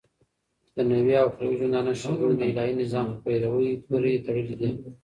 ددنيوي او اخروي ژوندانه ښيګڼي دالهي نظام په پيروۍ پوري تړلي دي